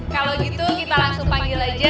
kalau gitu kita langsung panggil aja